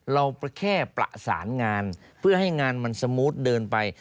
เราแค่ประสานงานเพื่อให้งานมันสมูทเดินไป